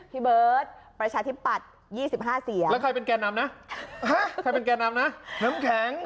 พี่เบิร์ตประชาธิปัตย์๒๕เสียงแล้วใครเป็นแก่นำนะใครเป็นแก่นำนะน้ำแข็ง